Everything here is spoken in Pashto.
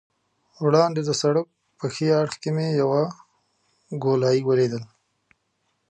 وړاندې د سړک په ښي اړخ کې مې یوه ګولایي ولیدل.